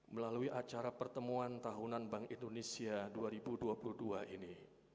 melalui acara pertemuan tahunan bank indonesia dua ribu dua puluh dua ini